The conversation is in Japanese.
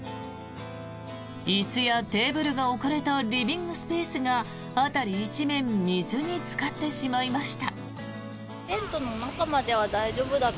椅子やテーブルが置かれたリビングスペースが辺り一面水につかってしまいました。